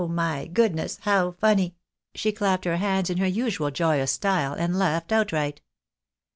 my goodness, how funny !" she clapped her hands in her usual joyous style, and laughed outright.